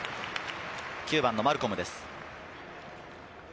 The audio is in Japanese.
９番のマルコムです。